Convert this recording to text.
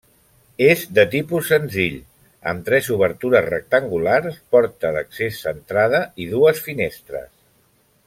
És de tipus senzill, amb tres obertures rectangulars, porta d'accés centrada i dues finestres.